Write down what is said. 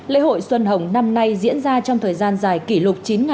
lễ hội xuân hồng năm nay diễn ra trong thời gian dài kỷ lục